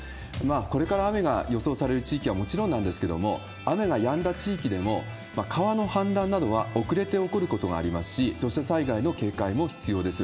これから雨が予想される地域はもちろんなんですけども、雨がやんだ地域でも、川の氾濫などは遅れて起こることがありますし、土砂災害の警戒も必要です。